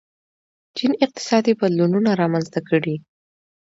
چین اقتصادي بدلونونه رامنځته کړي.